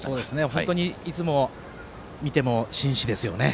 本当にいつ見ても紳士ですよね。